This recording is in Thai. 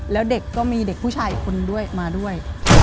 แล้วเด็กก็มีเด็กผู้ชายอีกคนด้วยมาด้วย